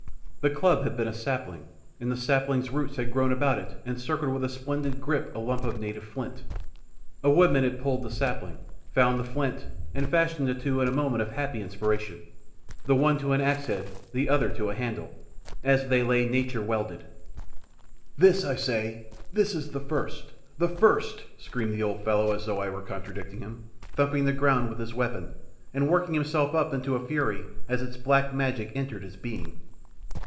The club had been a sapling, and the sapling's roots had grown about and circled with a splendid grip a lump of native flint. A woodman had pulled the sapling, found the flint, and fashioned the two in a moment of happy inspiration, the one to an axe head and the other to a handle, as they lay Nature welded! "This, I say, is the first the first!" screamed the old fellow as though I were contradicting him, thumping the ground with his weapon, and working himself up to a fury as its black magic entered his being.